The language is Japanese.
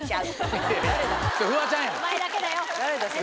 お前だけだよ。